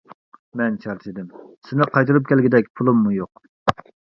مەن چارچىدىم، سېنى قايتۇرۇپ كەلگۈدەك پۇلۇممۇ يوق.